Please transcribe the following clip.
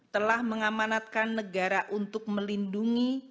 telah mengamanatkan negara untuk melindungi